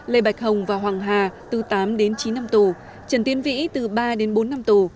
lê bạch hồng và hoàng hà từ tám đến chín năm tù trần tiến vĩ từ ba đến bốn năm tù